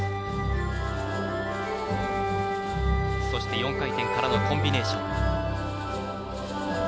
そして４回転からのコンビネーション。